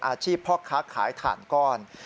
พ่อค้าขายถ่านก้อน